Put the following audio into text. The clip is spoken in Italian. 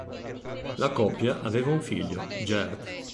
La coppia aveva un figlio, Gerd.